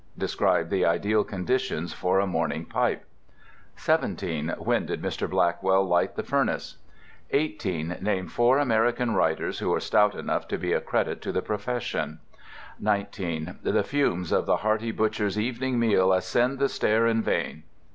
Describe the ideal conditions for a morning pipe. 17. When did Mr. Blackwell light the furnace? 18. Name four American writers who are stout enough to be a credit to the profession. 19. "The fumes of the hearty butcher's evening meal ascend the stair in vain."